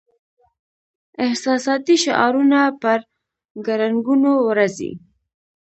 احساساتي شعارونه پر ګړنګونو ورځي.